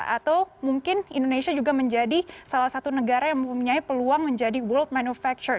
atau mungkin indonesia juga menjadi salah satu negara yang mempunyai peluang menjadi world manufacture